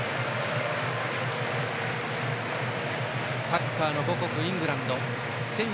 サッカーの母国イングランド。